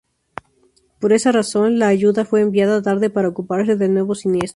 Por esa razón, la ayuda fue enviada tarde para ocuparse del nuevo siniestro.